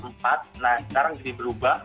nah sekarang jadi berubah